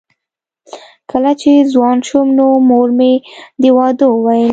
کله چې ځوان شوم نو مور مې د واده وویل